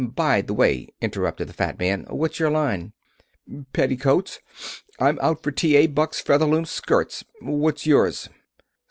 "By the way," interrupted the fat man, "what's your line?" "Petticoats. I'm out for T. A. Buck's Featherloom Skirts. What's yours?"